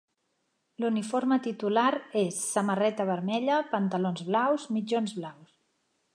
L'uniforme titular és Samarreta Vermella, pantalons blaus, mitjons blaus.